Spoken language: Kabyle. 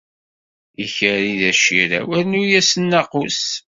Ikerri d acirraw, rnu-as nnaqus.